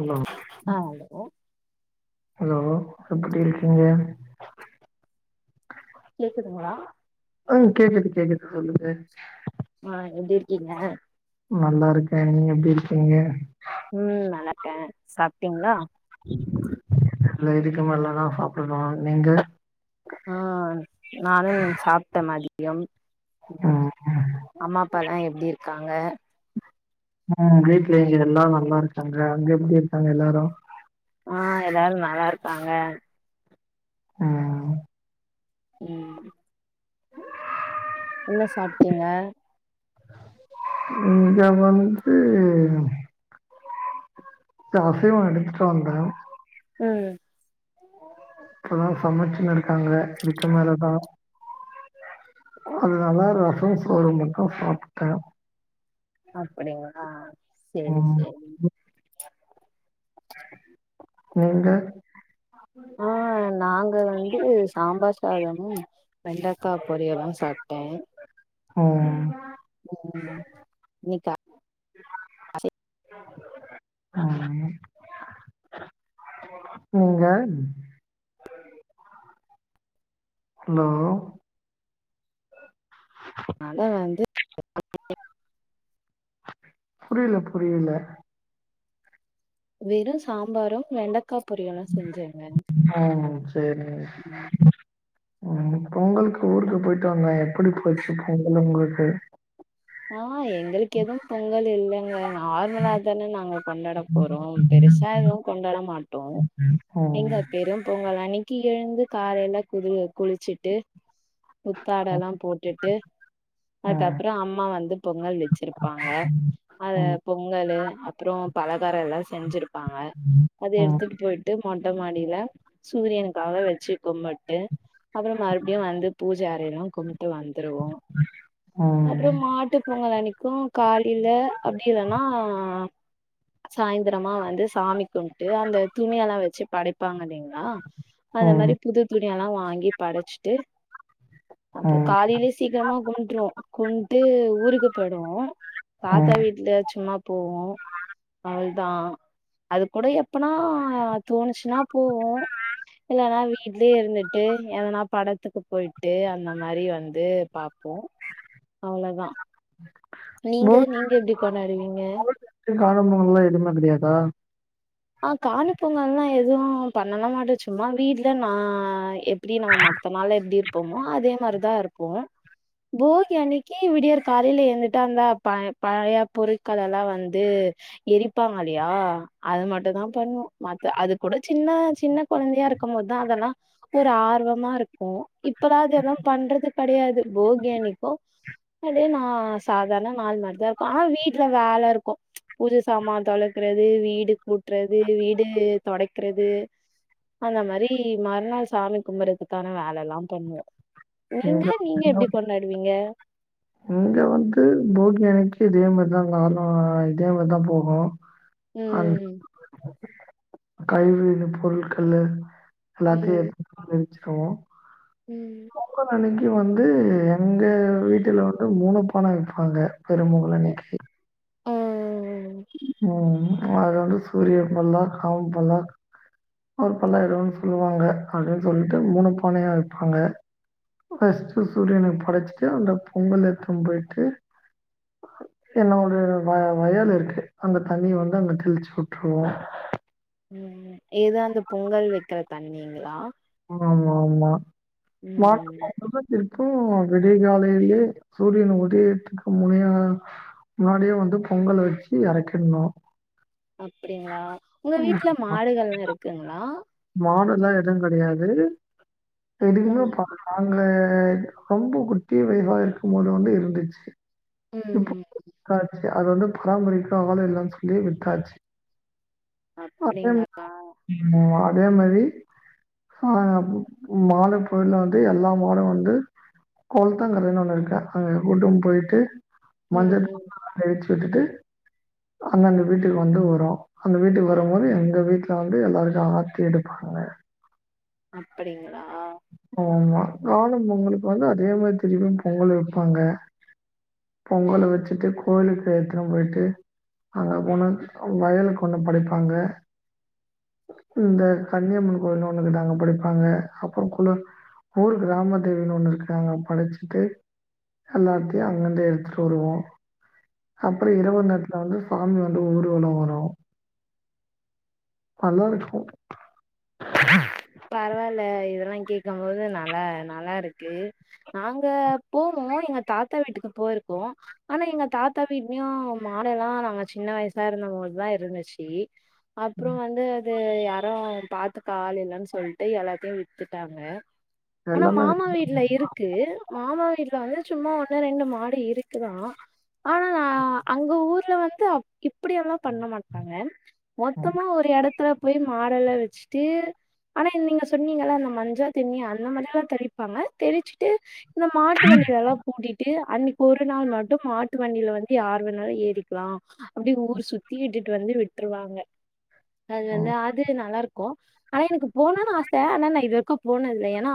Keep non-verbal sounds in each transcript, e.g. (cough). Hello ஆ hello hello எப்டி இருக்கீங்க கேக்குதுங்ளா அ கேக்குது கேக்குது சொல்லுங்க ஆ எப்டி இருக்கீங்க? நல்லா இருக்கே நீங்க எப்டி இருக்கீங்க ம் நல்லா இர்க்கே சாப்பிட்டீங்களா இல்ல இதுக்கு மேலதா சாப்டனு நீங்க ஆ நானு சாப்டே மதியம் ம் அம்மா அப்பல்லா எப்டி இருக்காங்க ம் வீட்ல இங்கே எல்லா நல்லா இருக்காங்க அங்க எப்டி இருக்காங்க எல்லாரு ஆ எல்லாரு நல்லா இருக்காங்க ம் உம் என்ன சாப்டீங்க இங்க வந்து காஃபியு எடுத்துட்டு வந்தே ம் இப்பதா சமச்சுன்னு இருக்காங்க இதுக்கு மேலதா அதுனால ரசம் சோறு மட்டு சாப்டே அப்புடிங்ளா சேரி ம் சேரிங் நீங்க ஆ ஆ நாங்க வந்து சாம்பார் சாதமு வெண்டக்கா பொரியலு சாப்டே ஓ ம் இன்னிக்கா இது ஆமா அவுங்க என்ஜாய் ஹலோ மழ வந்து (inaudible) புரியல புரியல வெறும் சாம்பாரு வெண்டக்கா பொரியலு செஞ்சேங்க ம் சரிங்க. ம் பொங்கலுக்கு ஊருக்கு போயிட்டு வந்தே எப்புடி போச்சு பொங்கல் உங்களுக்கு ஆ எங்களுக்கு எதுவும் பொங்கல் இல்லங்க ஆருதலாத் தான நாங்க கொண்டாட போறோ பெருசா எதுவு கொண்டாட மாட்டோ ஓ ஓ எங்க பெரும் பொங்கல் அன்னைக்கி எழுந்து காலையில குளு குளிச்சுட்டு ம், புத்தாடெல்லா போட்டுட்டு அதுக்கு அப்பறோ அம் அம்மா வந்து பொங்கல் வச்சிருப்பாங்க. அத ம், ம், பொங்கலு அப்றோ பலகாரோ எல்லா செஞ்சுருப்பாங்க அது ம், எடுத்துட்டு பொயிட் ட்டு மொட்ட மாடியில சூரியனுக்காக வச்சு கும்புட்டு அப்றோ மறுபடியு வந்து, பூஜை அறை எல்லா கும்ட்டு வந்துருவோ அப்றோ ம், மாட்டு பொங்கல் அன்னைக்கு காலயில அப்டி இல்லன்னா சாய்ந்துரமா வந்து சாமி கும்ட்டு அந்த துணியெல்லா வச்சு படைப்பாங்க இல்லிங்ளா ஆ அந்த ம், மாரி புது துணியெல்லா வாங்கி படச்சுட்டு அப்போ ம், காலையிலயே சீக்கிரமா கும்புட்ருவோ கும்ட்டு ஊருக்குப் போய்டுவோ ம். தாத்தா வீட்ல சும்மா போவோ அவிள்தா, அது கூட எப்பனா தோணுச்சுனா, போவோ. இல்லனா வீட்லயே இருந்துட்டு எதுனா படத்துக்கு போய்ட்டு அந்த மாரி வந்து பாப்போ அவ்ளோதா நீங்க போகி நீங்க எப்டி கொண்டாடுவீங்க போகி அன்னைக்கு காணும் பொங்கல்லா எதுமே கெடயாதா ஆ காணு பொங்கல்ல்லா எதுவு பண்ணலா மாட்டோ சும்மா வீட்ல நா எப்டி நம்ம ம த்த நாள்ல எப்டி இருப்போமோ அதே மாரிதா இருப்போ போகி அன்னைக்கி விடியற் காலேல எழுந்துட்டா இந்தா ப பழைய பொருட்கள் எல்லா வந்து எரிப்பாங்க அல்லியா அது மட் டு தா பண்ணுவோ. மத்த அது கூட சின்ன சின்ன கொழந்தையா இருக்குபோதுதா அதெல்லா ஒரு ஆர்வமாருக்கு. இப்பதா அது எதும் பண்றது கெடையாது. போகியன்னைக்கு, வந்து நா சாதாரண நாள் மாரிதா இருக்கு. ஆனா வீட்ல வேல இருக்கு. பூஜ சாமான் தொலக்குறது, வீடு கூட்றது, வீடு தொடைக்கிறது, அந்த மாரி மறுநாள் சாமி கும்புறதுக்கான வேல எல்லா பண்ணுவோ. நீங்க, இங்க நீங்க எப்டி கொண்டாடுவீங்க இங்க வந்து போகி அன்னைக்கி, இதே மாரிதா நானு, இதே மாரிதா போகு. அந் ம் கைவினை பொருட்கள்லு எல்லாத்தையு ம் எடுத்து கொண்டு போய் வச்சுகுவோ. ம் பொங்கல் அன்னைக்கி வந்து எங்க வீட்ல வந்து மூணு பான வெப்பாங்க பெரு பொங்கல் அன்னைக்கி ம் ம் அது வந்து சூரிய பல்லாக் ஆவு பல்லாக் ஒரு பல்லாயிடுனு சொல்லுவாங்க அப்டினு சொல்லிட்டு மூனு பானையா வப்பாங்க ஃபஸ்ட்டு சூரியனுக்கு படச்சுட்டு அந்த பொங்கல எத்துனு போயிட்டு என்னோடு வய வயல் இருக்கு அந்த தண்ணிய வந்து அங்க தெளிச்சு வுட்டுருவோ ம் ஏத அந்த பொங்கல் வைக்கிற தண்ணிங்களா ஆமா ஆமா ஆமா லாக் ம் பண்றது இருக்கு விடிய காலேலயே சூரியன் உதயத்துக்கு முனையா முன்னாடியே வந்து பொங்கல வச்சு எறக்கிடுணு அப்டிங்களா உங்க வீட்ல மாடுகள்ல்லா இருக்குங்களா மாடெல்லா எதும் கெடையாது (unintelligible) ம் பா நாங்க ரொம்ப குட்டி பிள்ளகளா இருக்கு போது வந்து இருந்துச்சு இப்போ ம் வித்தாச்சு அது வந்து பராமரிக்க ஆள் இல்லனு சொல்லி வித்தாச்சு அப்டிங்க ம் அதே மாரி ஹா மால பொழுதுல வந்து எல்லா மாடு வந்து கொளத்தாங்கரேனு ஒண்ணு இருக்க அங்க கூட்டுனு போயிட்டு மஞ்சள் ம் (inaudible) வச் விட்டுட்டு அந்தந்த வீட்டுக்கு வந்து வரு அந்த வீட்டுக்கு வருபோது எங்க வீட்டுல வந்து எல்லாருக்கு ஆத் தி எடுப்பாங்க அப்டிங்களா ஆமா காணும் பொங்கலுக்கு வந்து அதே மாதிரி திருபியு பொங்கல் வப்பாங்க பொங்கல வச்சுட்டு கோயிலுக்கு எடுத்துனு போயிட்டு அங்க போன அவுங் வயலுக்கு ஒண்ணு படைப்பாங்க இந்த கன்னியம்மன் கோயிலுனு ஒண்ணு இருக்கு அங்க படைப்பாங்க அப் ப குள்ள ஊர் கிராம தேவினு ஒண்ணு இருக்கு அங்க படச்சுட்டு எல்லாத்தையு அங்கந்து எடுத்துட்டு வருவோ அப்பறோ இரவு நேரத்துல வந்து சாமி வந்து ஊருவலோ வரு நல்லா இருக்கும் பரவால்ல இதெல்லா கேக்கம்போது நல்லா நல்லா இருக்கு நாங்க போவோ எங்க தாத்தா வீட்டுக்கு போயிருக்கோ ஆனா எங்க தாத்தா வீட்லயும் மாலை எல்லாம் நாங்க சின்ன வயசா இருந்த போதுதான் இருந்துச்சு அப்புறம் வந்து அது யாரும் பாத்து ஆள் இல்லன்னு சொ சொல்ட்டு எல்லாத்தையு வித்துட்டாங்க ஆனா எல்லாமே மாமா வீட்ல இருக் க்கு மாமா வீட்ல வந்து சும்மா ஒண்ணு ரெண்டு மாடு இருக்குதா ஆனா நா அங்க ஊர்ல வந்து இப்படியல்லா பண்ண மாட்டாங்க மொத்தமா ஒரு எடத்துல போய் மாடெல்லா வச்சுட்டு ஆனா நீங்க சொன்னீங்கள அந்த மஞ்ச தெண்ணி அந்த மாதிரி எல்லா தெளிப்பாங்க தெளிச்சுட்டு இந்த மாட்டு வண்டில எல்லா பூட்டிட்டு அன்னைக்கு ஒரு நாள் மட்டும் மாட்டு வண்டியில வந்து யார் வேனாலும் ஏறிக்கலா அப்டி ஊர் சுத்தி இட்டுட்டு வந்து விட்டுருவாங்க அது வந்து ம், அது நல்லா இருக்கும் ஆனா எனக்கு போனன்னு ஆச ஆனா நா இதுவரைக்கும் போனது இல்ல ஏன்னா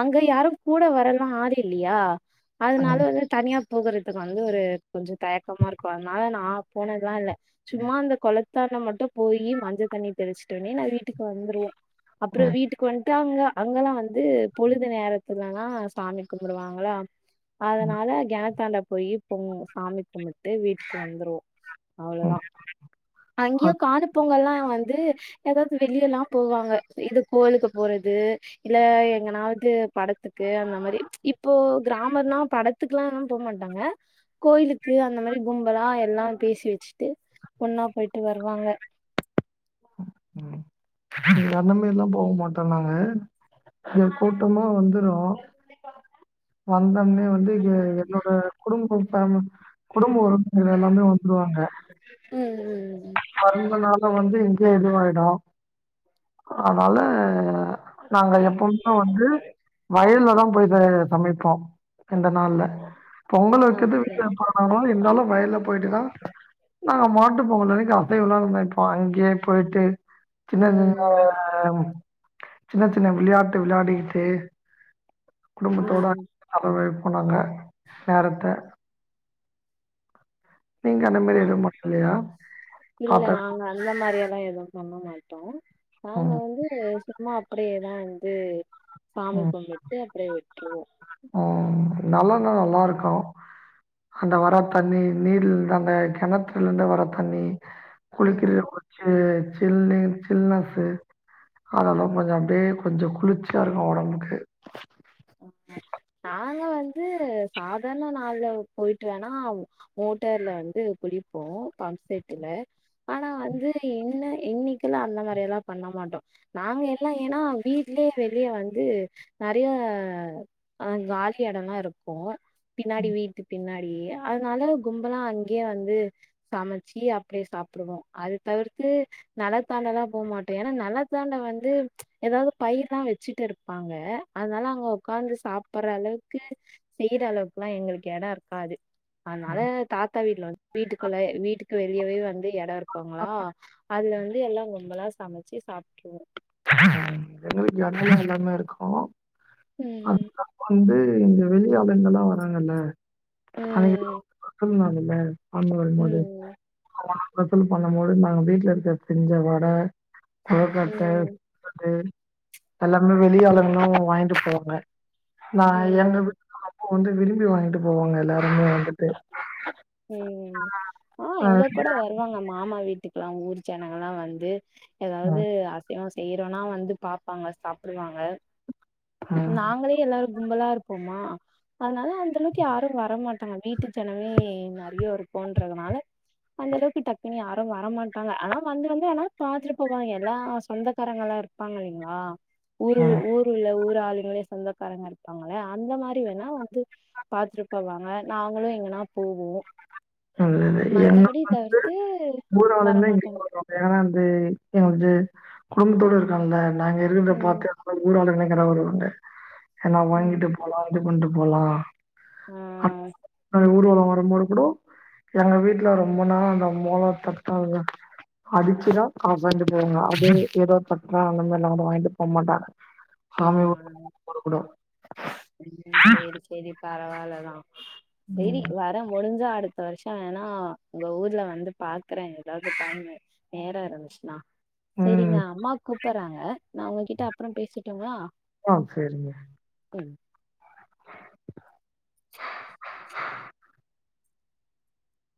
அங்க யாரும் கூட வரலா ஆர் இல்லையா அதனால வந்து தனியா போகறதுக்கு வந்து ஒரு கொஞ்ச தயக்கமா இருக்கும் அதனால நான் போனதுலா இல்ல சும்மா அந்த குளத்தான மட்டும் போய் மஞ்ச தண்ணி தெளிச்சுட்ட உடனே நா வீட்டுக்கு வந்துருவோம் அப்புற ம், வீட்டுக்கு வந் டாங்க அங்கெல்லாம வந்து பொழுது நேரத்துலனா சாமி கும்புடுவாங்களா அதனால கினத்தாண்ட போயி பொங் சாமி கும்புட்டு வீட்டுக்கு வந்துருவோ ம். அவ்வளோதா அங்கேயோ அது காணு பொங்கல்லா வந்து ஏதாவ்து வெளியல்லா போவாங்க இது கோவிலுக்கு போறது இல்ல எங்கனாவது படத்துக்கு அந்த மாரி இப்போ கிராமர்னா பட த்துக்கெல்லா ம் போ மாட்டாங்க கோயிலுக்கு அந்த மாரி கும்பல்லா எல்லா பேசி வச்சுட்டு ஒண்ணா போயிட்டு வருவாங்க ம் அந்த மேரி எல்லா போ மாட்டோ நாாங்க இந்த கூட்டமா வந்து வந்தோம் வந்தோன்னே வந்து இங்க என்னோட குடும்பம் பம் குடும்பொ வந்து எல்லாமே வந்துருவாங்க ம் ம் ம் பொறந்த நாளு வந்து இங்கயே இதுவாயிடும் அதனால நாங்க எப்பவுமே வந்து வயல்லலதா போயி ச சமைப்போம் இந்த நாள்ல பொங்கல் வைக்கிது அப்படி. வீட்ல வைப்பாங்கா (unintelligible) இருந்தாலும் வயல்ல போயிட்டு தா நாங்க மாட்டு பொங்கல் அன்னைக்கு அ ங்கே உளவு மேய்ப்போ அங்கேயே போயிட்டு சின்ன சின்ன ம், சின்ன சின்ன விளையாட்டு விளையாடிக்கிட்டே குடும்பத்தோட ம். அளவு வைப்போ நாங்க நேரத்த நீங்க அந்த மேரி அப் எதுவும் மாட்லையா இல்ல நாங்க அந்த மாரியெல்லா எதுவும் பண்ண மாட்டோம் நாங்க ம், வந்து து சும்மா அப்டியேதான் வந்து சாமி கும்விட்டு அப்டியே விட்டுருவோ ஓ நல்லன்னா நல்லா இருக்கு அந்த வரத் தண்ணி நீர்ந்து அந்த கெணத்துல இருந்து வர தண்ணி குளிக்கிற ம். ஒச்சு சில்னு சில்னஸு அதெல்லா கொஞ்சோ அப்டியே கொஞ்ச குளிச்சியாக இருக்கும் ஒடம்புக்கு நாங்க வந்து சாதார்ண நாள்ல போயிட்டு வேணா மோட்டார்ல வந்து குளிப்போ பம்ப் செட்டுல ஆனா வந்து இன்ன இன்னிக்கலா அந்த மாரியெலாம் பண்ண மாட்டோ நாங்க எல்லா எனா வீட்லியே வெளிய வந்து நெறைய அ அங் காலி எடலா இருக்கு பின்னாடி வீட்டுப் பின்னாடிய அதனால கும்பலா அங்கியே வந்து சமச்சி அப்டியே சாப்டுவோ அது தவிர்த்து நலத்தாண்டலாம் போமாட்டே எனா நலத்தாண்ட வந்து எதாவ்துப் பயிர்லா வச்சிட்டு இருப்பாங்க அதனால அங்கப் உட்காந்து சாப்பர்ற அளவுக்கு செய்யற அளவுக்குலா எங்களுக்கு எட இருக்காது அதனால தாத்தா வீட்ல வந்து வீட்டுக்குள்ள வீட்டுக்கு வெளியவே வந்து எடோ இருக்கோங்ளா அதுல வந்து எல்லாங் கும்பலா சமச்சி சாப்ட்ருவோ ம் எங்க வீட்லியு வந்து எல்லாமே இருக்கு ம் அதுதா வந்து இங்க வெளி ஆளுங்கெல்லா வராங்கல்ல அதிங்கு ம் சொல்னாங்கில்ல அண்ண வரும்மோது ம் (unintelligible) பண்ணம்பொழுது நாங்க வீட்ல இருக்க செஞ்ச வட கொழுக்கட்ட ம் நிப்பட்டு அல்லாமே வெளியாளுங்லு வாய்ன்ட்டு போவாங்க நா எங்க ம் வீட்ல அப்போ வந்து விரும்பி வாங்கிட்டு போவாங்க எல்லாருமே வந்துட்டு ம் ம் ஆ இங்க கூட வருவாங்க மாமா வீட்டுக்கலா ஊர் ஜனங்கலா வந்து எதாவ்து ம் அசைவொ செய்றோனா வந்து பாப்பாங்க சாப்டுவாங்க ம் நாங்களே எல்லாருக் கும்பலா இருப்போமா அதனால அந்தளவுக்கு யாரு வரமாட்டாங்க வீட்டு ஜனமே நெறைய இருப்போன்றதனால அந்தளவுக்கு டக்குனு யாரு வரமாட்டாங்க ஆனா வந்து வந்து ஆனாப் பாத்துருப் போவாங்கே எல்லா சொந்தக்காரங்களாருக் ப்பாங்க இல்லைங்ளா ஊரு ம் ஊரு உள்ள ஊர் ஆளுங்களே சொந்தக்காரங்க இருப்பாங்கள அந்த மாரி வேணா வந்து பாத்துருப் போவாங்க நாங்களு எங்கனாப் போவோ நல்லது என்ன மத்தபடி வந்து தவிர்த்து ஊராளுங்க இங்க வரமாட்டோங்க வருவாங்க ஏனா இந்து எங்கந்து குடும்பத்தோடு இருக்காங்கல்ல நாங்க இருந்தப் ம் பாத்தேனு ல ஊராளுங்க நெனைக்கிற ஒரு உண்டு ஏனா ம். வாங்கிட்டுப் போலா இது பண்ட்டு போலா ஆ அப் அ ஊர்வல வரும்போது கூடோ எங்க வீட்ல ரொம்ப நாளா அந்த மோள தட்னதில்ல அடிச்சுதா அவ அந்த பேருனா அவபேரு எதோ தட்றா அந்தமேர்லா வந்து வாய்ன்ட்டு போமாட்டாங்க ஆ (unintelligible) ம் சேரி சேரி பரவால்லதா சேரி ம். வர முடிஞ்சா அடுத் த வருஷ வேணா உங்க ஊர்ல வந்துப் பாக்கறே எதாவ்து டைமு நேர இருந்துச்சுனா சேரிங்க ம். அம்மா கூப்பர்றாங்க நா உங்ககிட்ட அப்றம் பேசுட்டுங்ளா ஆ சேரிங்க ம்